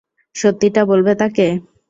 সত্যিটা বলবে তাঁকে।